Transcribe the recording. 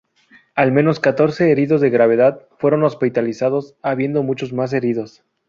Al menos catorce heridos de gravedad fueron hospitalizados, habiendo muchos más heridos.